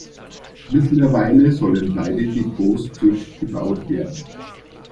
Mittlerweile sollen beide Depots zurückgebaut werden.